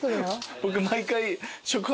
僕毎回。